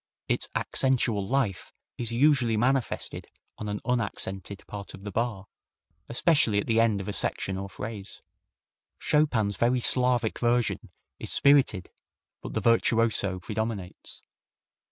Its accentual life is usually manifested on an unaccented part of the bar, especially at the end of a section or phrase. Chopin's very Slavic version is spirited, but the virtuoso predominates.